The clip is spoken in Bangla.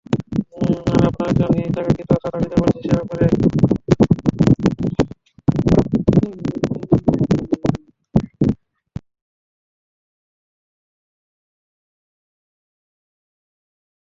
আমি আপনার একজন হিতাকাঙ্ক্ষী অর্থাৎ আমি যা বলছি, সে ব্যাপারে।